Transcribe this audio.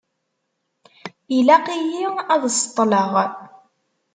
Ilaq-iyi ad ṣeṭṭeleɣ.